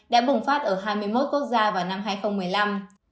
đã bùng phát ở hai mươi một quốc gia vào năm hai nghìn một mươi năm